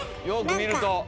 よく見ると。